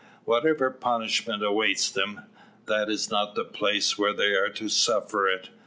Whatever punishment awaits them, that is not the place where they are to suffer it.